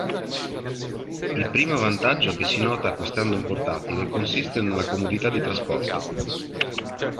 Il primo vantaggio che si nota acquistando un portatile consiste nella comodità di trasporto.